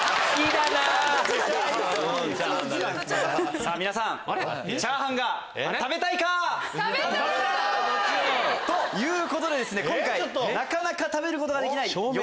さぁ皆さんチャーハンが食べたいか⁉食べたい！ということで今回なかなか食べることができないよ